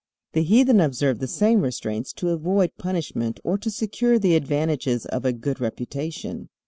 The heathen observe the same restraints to avoid punishment or to secure the advantages of a good reputation.